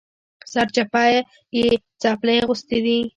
سرچپه یې څپلۍ اغوستلي دي